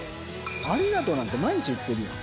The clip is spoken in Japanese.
ありがとうなんて毎日言ってるよ。